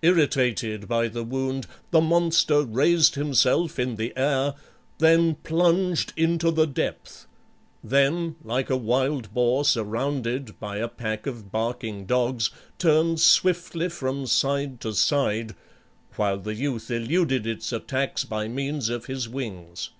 Irritated by the wound, the monster raised himself in the air, then plunged into the depth; then, like a wild boar surrounded, by a pack of barking dogs, turned swiftly from side to side, while the youth eluded its attacks by means of his wings.